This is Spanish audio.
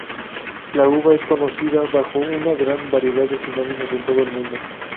La uva es conocida bajo una gran variedad de sinónimos en todo el mundo.